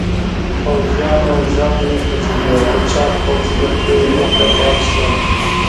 پوځيانو ژامې وخوځېدې او د چاغ پوځي له خولې غوښه باد شوه.